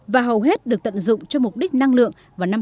và hầu hết được tận dụng cho mục đích năng lượng vào năm hai nghìn ba mươi